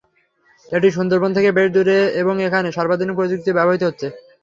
এটি সুন্দরবন থেকে বেশ দূরে এবং এখানে সর্বাধুনিক প্রযুক্তি ব্যবহৃত হচ্ছে।